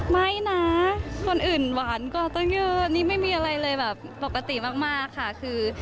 ไม่นะคนอื่นหวานกว่าตั้งเยอะนี่ไม่มีอะไรเลยแบบปกติมากค่ะคือ